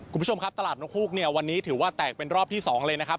คุณผู้ชมครับตลาดนกฮูกเนี่ยวันนี้ถือว่าแตกเป็นรอบที่๒เลยนะครับ